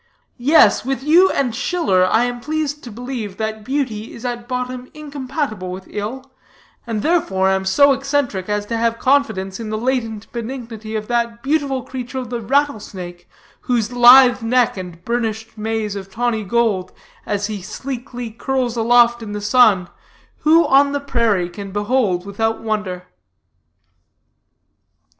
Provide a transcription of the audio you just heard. Yes, with you and Schiller, I am pleased to believe that beauty is at bottom incompatible with ill, and therefore am so eccentric as to have confidence in the latent benignity of that beautiful creature, the rattle snake, whose lithe neck and burnished maze of tawny gold, as he sleekly curls aloft in the sun, who on the prairie can behold without wonder?"